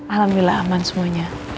alhamdulillah aman semuanya